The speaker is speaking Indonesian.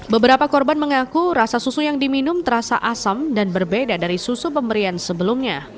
beberapa korban mengaku rasa susu yang diminum terasa asam dan berbeda dari susu pemberian sebelumnya